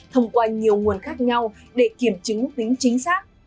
thông qua nhiều nguồn khác nhau để kiểm chứng tính chính xác